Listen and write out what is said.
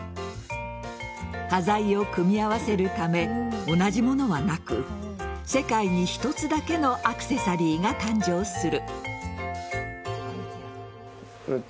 端材を組み合わせるため同じものはなく世界に一つだけのアクセサリーが誕生する。